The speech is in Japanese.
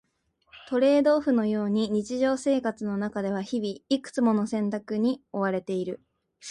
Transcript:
トレードオフのように日常生活の中では日々、いくつもの選択に迫られている。